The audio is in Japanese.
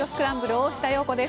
大下容子です。